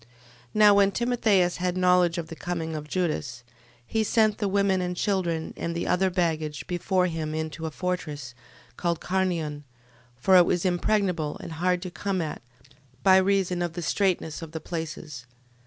12:21. Now when Timotheus had knowledge of the coming of Judas, he sent the women and children, and the other baggage, before him into a fortress, called Carnion: for it was impregnable, and hard to come at, by reason of the straitness of the places.